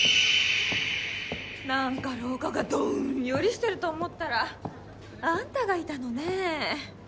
何か廊下がどんよりしてると思ったらあんたがいたのねぇ。